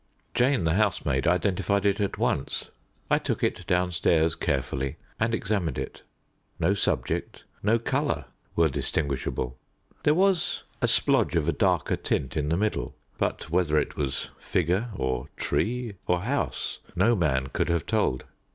Jane the housemaid identified it at once. I took it downstairs carefully and examined it. No subject, no colour were distinguishable. There was a splodge of a darker tint in the middle, but whether it was figure or tree or house no man could have told.